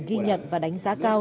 ghi nhận và đánh giá cao